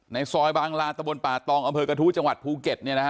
ในซอยบางร้านตะบนป่าตองอำเภอกระทู้จังหวัดภูเก็ตเนี่ยนะฮะ